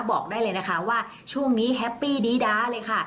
บอกได้เลยนะคะว่าช่วงนี้แฮปปี้ดีด้าเลยค่ะ